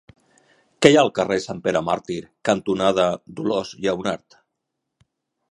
Què hi ha al carrer Sant Pere Màrtir cantonada Dolors Lleonart?